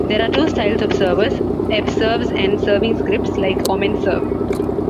There are two styles of servers, Fserves, and serving scripts like OmenServe.